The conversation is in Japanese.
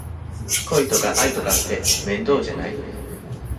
恋とか愛とかって面倒じゃない？